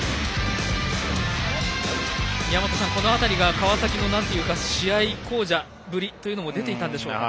宮本さん、この辺りは川崎の試合巧者ぶりが出てたでしょうかね。